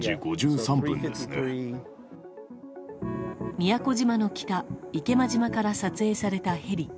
宮古島の北池間島から撮影されたヘリ。